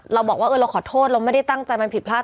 เราบอกว่าเราขอโทษเราไม่ได้ตั้งใจมันผิดพลาด